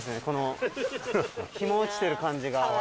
この日も落ちてる感じが。